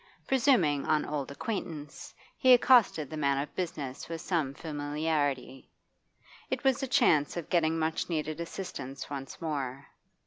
Presuming on old acquaintance, he accosted the man of business with some familiarity; it was a chance of getting much needed assistance once more.